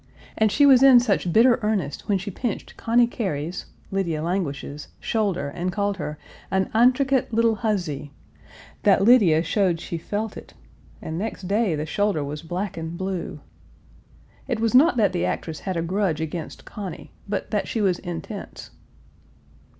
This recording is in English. And she was in such bitter earnest when she pinched Conny Cary's (Lydia Languish's) shoulder and called her "an antricate little huzzy," that Lydia showed she felt it, and next day the shoulder was black and blue. It was not that the actress had a grudge against Conny, but that she was intense.